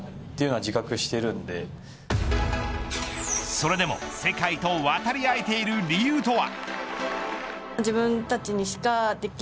それでも世界と渡り合えている理由とは。